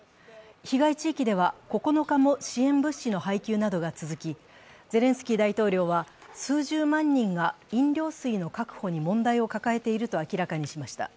被害地域では９日も支援物資の配給などが続き、ゼレンスキー大統領は、数十万人が飲料水の確保に問題を抱えていると明らかにしました。